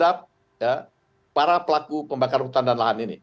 ya kami juga akan ya mengembangkan penggunaan pembakaran hutan dan lahan ini